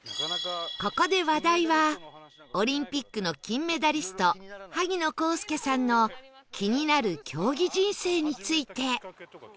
ここで話題はオリンピックの金メダリスト萩野公介さんの気になる競技人生について